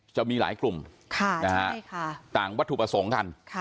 จะมีหลายกลุ่มต่างวัตถุประสงค์กัน